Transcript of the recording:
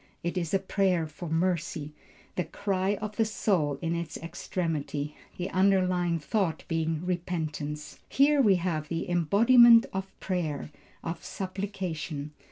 It is a prayer for mercy, the cry of the soul in its extremity; the underlying thought being repentance. Here we have the embodiment of prayer, of supplication.